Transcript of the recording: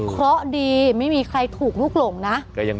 เพราะดีไม่มีใครถูกลูกหลงนะ